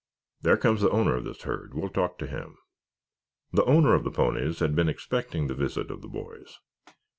There comes the owner of this herd. We'll talk to him." The owner of the ponies had been expecting the visit of the boys.